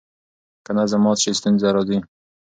که نظم مات سي ستونزه راځي.